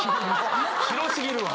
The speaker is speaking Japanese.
広すぎるわ。